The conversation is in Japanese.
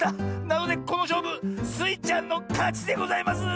なのでこのしょうぶスイちゃんのかちでございます！